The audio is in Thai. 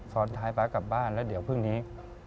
ซ้อนท้ายป๊ากลับบ้านแล้วเดี๋ยวพรุ่งนี้